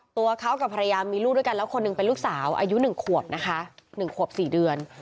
ตัวเขากับภรรยามีลูกด้วยกันแล้วคนหนึ่งเป็นลูกสาวอายุ๑ขวบนะคะ๑ขวบ๔เดือน